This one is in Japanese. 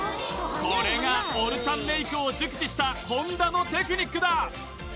これがオルチャンメイクを熟知した本田のテクニックだ！